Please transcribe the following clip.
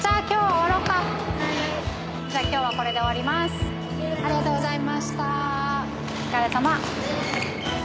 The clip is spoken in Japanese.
「お疲れさま」